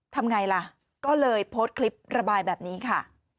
ทำไงล่ะก็เลยโพสต์คลิประบายแบบนี้ค่ะ